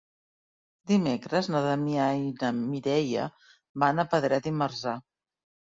Dimecres na Damià i na Mireia van a Pedret i Marzà.